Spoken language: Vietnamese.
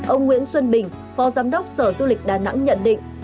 ông nguyễn xuân bình phó giám đốc sở du lịch đà nẵng nhận định